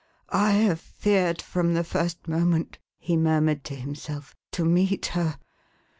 "I have feared, from the first moment,"" he murmured to himself, "to meet her.